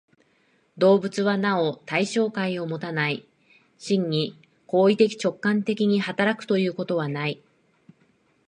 動物はなお対象界をもたない、真に行為的直観的に働くということはない。